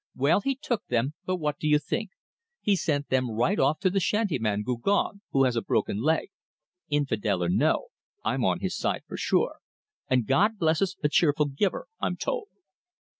Well, he took them, but what do you think? He sent them right off to the shantyman, Gugon, who has a broken leg. Infidel or no, I'm on his side for sure. And God blesses a cheerful giver, I'm told."